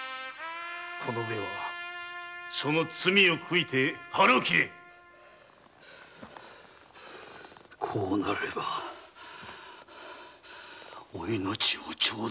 この上はその罪を悔いて腹を切れこうなればお命を頂戴するしかない。